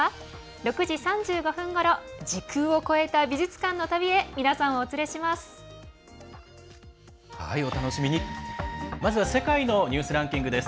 ６時３５分ごろ時空を越えた美術館の旅へ皆さんをお連れします。